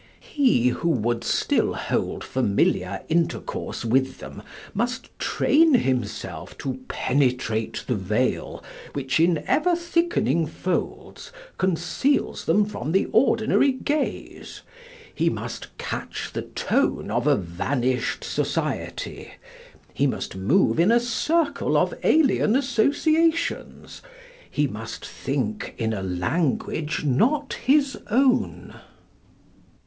He who would still hold familiar intercourse with them must train himself to penetrate the veil which in ever thickening folds conceals them from the ordinary gaze; he must catch the tone of a vanished society, he must move in a circle of alien associations, he must think in a language not his own."